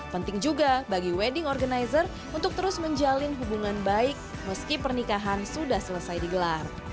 penting juga bagi wedding organizer untuk terus menjalin hubungan baik meski pernikahan sudah selesai digelar